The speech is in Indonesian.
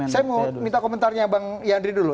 saya mau minta komentarnya bang yandri dulu